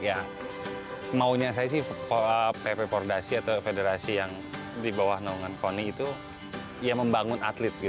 ya maunya saya sih pp pordasi atau federasi yang di bawah naungan koni itu ya membangun atlet